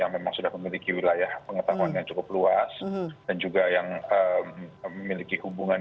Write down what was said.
yang memang sudah memiliki wilayah pengetahuan yang cukup luas dan juga yang memiliki hubungan